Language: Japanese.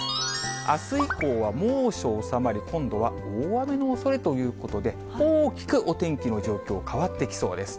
あす以降は猛暑収まり、今度は大雨のおそれということで、大きくお天気の状況、変わってきそうです。